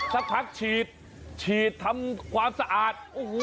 สักพักฉีดฉีดทำความสะอาด